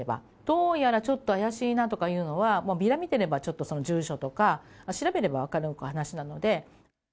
どうやらちょっと怪しいなとかいうのは、ビラ見てれば住所とか、調べれば分かる話なので。